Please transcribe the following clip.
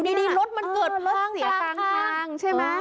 ที่นี่รถมันเกิดข้าง